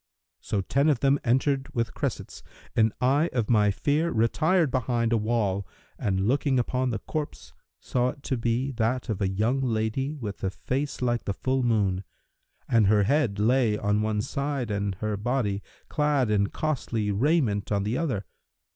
So ten of them entered with cressets, and I of my fear retired behind a wall and looking upon the corpse, saw it to be that of a young lady[FN#342] with a face like the full moon; and her head lay on one side and her body clad in costly raiment on the other.